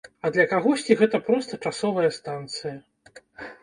А для кагосьці гэта проста часовая станцыя.